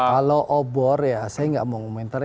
kalau obor ya saya nggak mau komentari